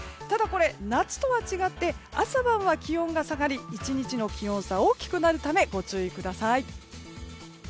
ただこれは夏とは違って朝晩は気温が下がり１日の気温差が大きくなるためご注意ください。